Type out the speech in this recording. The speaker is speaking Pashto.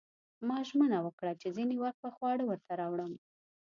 ما ژمنه وکړه چې ځینې وخت به خواړه ورته راوړم